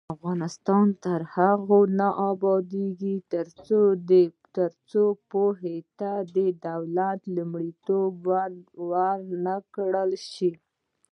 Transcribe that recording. افغانستان تر هغو نه ابادیږي، ترڅو پوهې ته د دولت لومړیتوب ورکړل نشي.